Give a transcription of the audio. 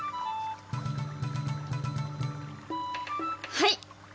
はい。